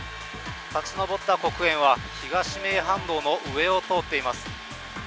立ち上った黒煙は東名阪道の上を通っています。